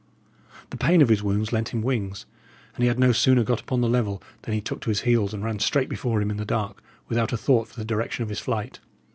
The pain of his wounds lent him wings; and he had no sooner got upon the level than he took to his heels and ran straight before him in the dark, without a thought for the direction of his flight.